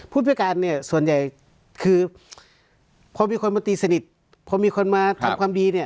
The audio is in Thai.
ผู้พิการเนี่ยส่วนใหญ่คือพอมีคนมาตีสนิทพอมีคนมาทำความดีเนี่ย